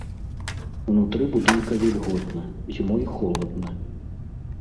Унутры будынка вільготна, зімой холадна.